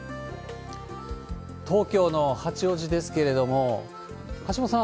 東京の八王子ですけれども、橋本さん、